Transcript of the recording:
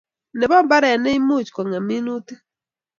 Nebo mbaret ne imuch kongem minutik